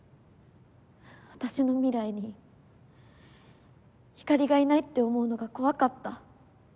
私の未来にひかりがいないって思うのが怖かった。